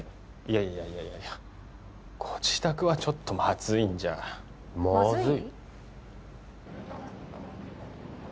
いやいやいやいやご自宅はちょっとまずいんじゃまずい？